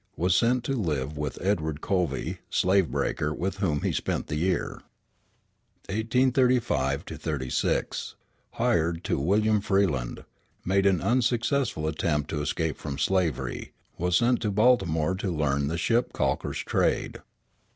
_ Was sent to live with Edward Covey, slave breaker, with whom he spent the year. 1835 36 Hired to William Freeland. Made an unsuccessful attempt to escape from slavery, Was sent to Baltimore to learn the ship calkers trade.